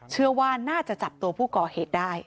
เชื่อว่าน่าจะจับตัวผู้ก่อเหตุได้